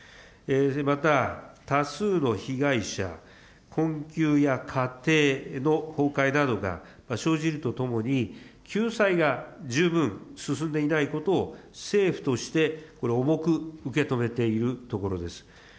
また、多数の被害者、困窮や家庭の崩壊などが生じるとともに、救済が十分進んでいないことを政府として重く受け止めているところです。